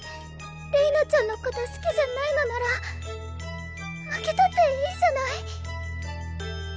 れいなちゃんのこと好きじゃないのなら負けたっていいじゃない。